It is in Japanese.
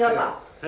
はい。